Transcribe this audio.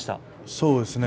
そうですね。